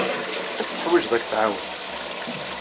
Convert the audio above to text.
Ad tt-teḥwijeḍ ad k-tɛawen.